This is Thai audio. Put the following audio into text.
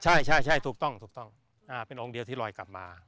ใช่ถูกต้องถูกต้องเป็นองค์เดียวที่ลอยกลับมา